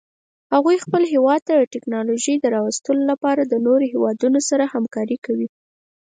هغوی خپل هیواد ته د تکنالوژۍ راوستلو لپاره د نورو هیوادونو سره همکاري کوي